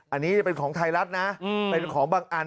อันนี้จะเป็นของไทยรัฐนะเป็นของบางอัน